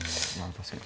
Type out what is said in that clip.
確かに。